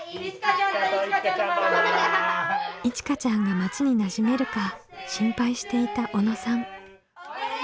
いちかちゃんが町になじめるか心配していた小野さん。